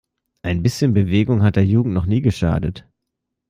Ein bisschen Bewegung hat der Jugend noch nie geschadet!